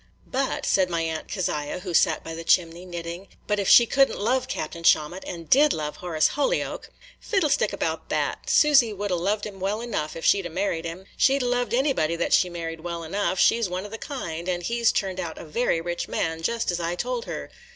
"But," said my Aunt Keziah, who sat by the chimney, knitting, – "but if she could n't love Captain Shawmut, and did love Horace Holyoke –" "Fiddlestick about that. Susy would 'a' loved him well enough if she 'd 'a' married him. She 'd 'a' loved anybody that she married well enough, – she 's one of the kind; and he 's turned out a very rich man, just as I told her.